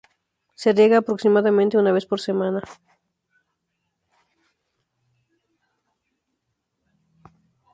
Se riega aproximadamente una vez por semana.